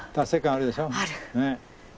ある。